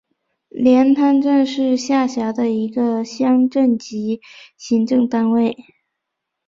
连滩镇是下辖的一个乡镇级行政单位。